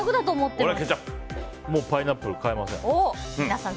パイナップル変えません。